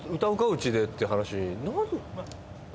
うちで」って話に。